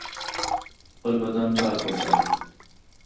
خپل بدن پاک وساتئ.